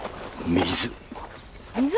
水？